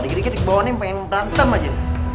dikit dikit kebawahannya pengen rantem aja